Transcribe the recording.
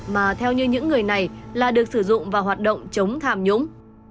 mà theo như những người này là được sử dụng và hoạt động chống thàm nhũng